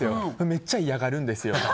めっちゃ嫌がるんですよ。